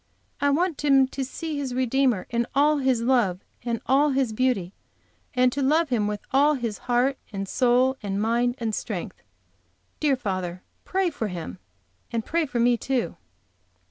I want him to see his Redeemer in all His love, and all His beauty, and to love Him with all his heart and soul, and mind and strength. Dear father, pray for him, and pray for me, too."